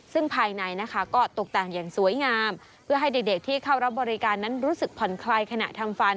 ซึ่งภายในนะคะก็ตกแต่งอย่างสวยงามเพื่อให้เด็กที่เข้ารับบริการนั้นรู้สึกผ่อนคลายขณะทำฟัน